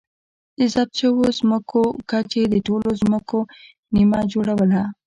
د ضبط شویو ځمکو کچې د ټولو ځمکو نییمه جوړوله